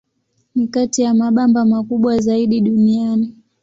Ni kati ya mabamba makubwa zaidi duniani.